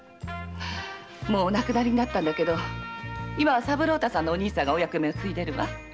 もうお亡くなりになったけど今は三郎太さんのお兄さんがお役目を継いでるわ。